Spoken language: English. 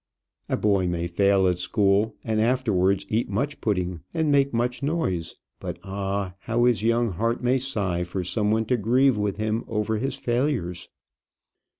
A boy may fail at school, and afterwards eat much pudding, and make much noise; but, ah! how his young heart may sigh for some one to grieve with him over his failures!